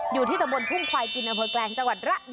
อยู่ที่ตรงบนทุ่งควายกินน้ำโพยแกรงจังหวัดระย่อ